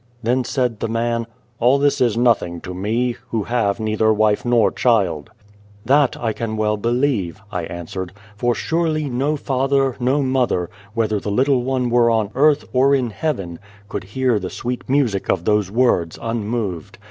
' Then said the man, " All this is nothing to me, who have neither wife nor child." and the Devil "That I can well believe," I answered, "for surely no father, no mother whether the little one were on earth or in heaven could hear the sweet music of those words unmoved.